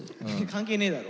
関係ねえだろ。